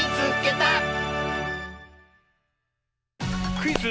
クイズ